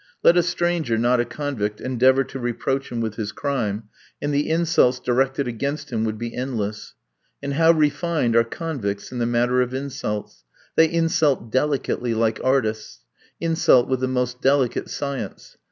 Let a stranger not a convict endeavour to reproach him with his crime, and the insults directed against him would be endless. And how refined are convicts in the matter of insults! They insult delicately, like artists; insult with the most delicate science.